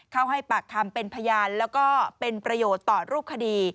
ให้ปากคำเป็นพยานแล้วก็เป็นประโยชน์ต่อรูปคดี